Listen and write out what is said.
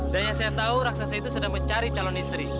dan yang saya tahu raksasa itu sedang mencari calon istri